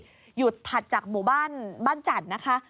หยุดถัดจากหมู่บ้านบ้านจัดนะคะ